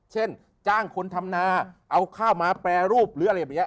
เช่นจ้างคนทำนาเอาข้าวมาแปรรูปหรืออะไรอย่างนี้